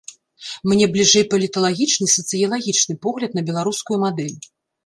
Мне бліжэй паліталагічны і сацыялагічны погляд на беларускую мадэль.